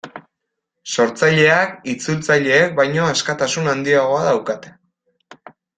Sortzaileak itzultzaileek baino askatasun handiagoa daukate.